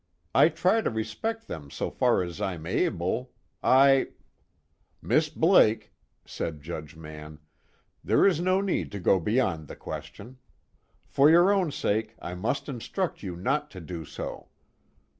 I try to respect them so far as I'm able I " "Miss Blake," said Judge Mann, "there is no need to go beyond the question. For your own sake I must instruct you not to do so.